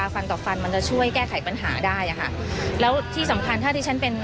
ฟันต่อฟันมันจะช่วยแก้ไขปัญหาได้อะค่ะแล้วที่สำคัญถ้าที่ฉันเป็น